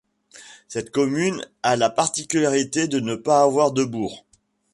Cette commune a la particularité de ne pas avoir de bourg.